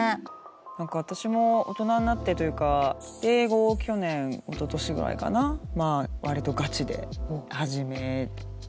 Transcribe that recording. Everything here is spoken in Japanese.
何か私も大人になってというか英語を去年おととしぐらいかな割とガチで始めてるんですけど。